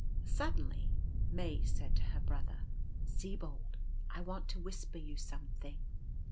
Suddenly May said to her brother : "Sibold, I want to whisper you something.''